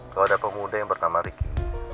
kalau ada pemuda yang bernama riki